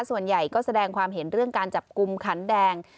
ส่วนใหญ่ก็แสดงความเห็นเรื่องการจับกลุ่มขันแดง